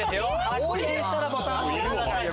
発見したらボタンを押してください。